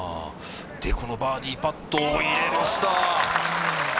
このバーディーパットを入れました。